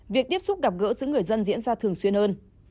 việc tiếp xúc gặp gỡ giữa người dân diễn ra thường xuyên hơn